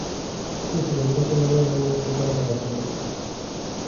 •人生とは、自転車に乗るようなものだと誰かが言っていました。